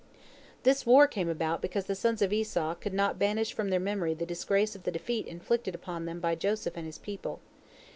This war came about because the sons of Esau could not banish from their memory the disgrace of the defeat inflicted upon them by Joseph and his people.